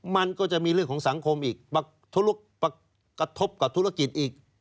มันก็จะมีเรื่องของสังคมอีกกระทบกับธุรกิจอีก